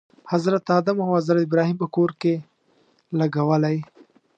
حضرت آدم او حضرت ابراهیم په کور کې لګولی.